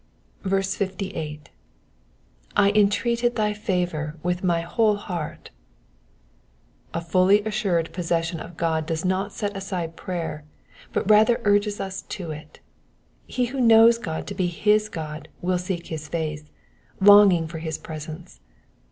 58. / intrmted thy favour with my whole heart, ^"^ A fully assured pos session of God does not set aside prayer, but rather urges us to it ; he who knows God to be his God will seek his face, longing for his presence.